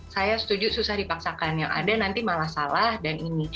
saya setuju susah dipaksakan yang ada nanti malah salah dan ini